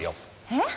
えっ？